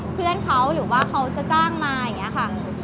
เพื่อนเขาหรือว่าเขาจะจ้างมาอย่างนี้ค่ะ